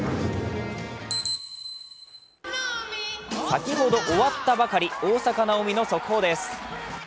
先ほど終わったばかり、大坂なおみの速報です。